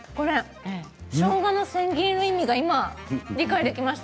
しょうがの千切りの意味が今、理解できました。